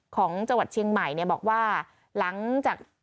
ของจังหวัดเชียงใหม่เนี่ยบอกว่าหลังจาก